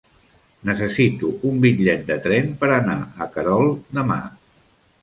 Necessito un bitllet de tren per anar a Querol demà.